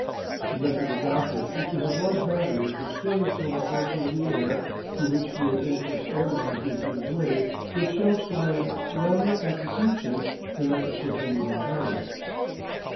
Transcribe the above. The method adopted is to have large batteries which fairly fill that portion of the air through which the adventurous airman is making his way with shells fired rather at the section than at the swiftly moving target.